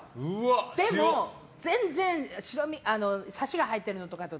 でも、全然サシが入っているのとかと